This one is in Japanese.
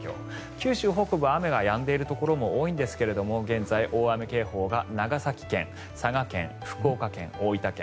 九州北部は雨がやんでいるところが多いですが現在、大雨警報が長崎県、佐賀県福岡県、大分県。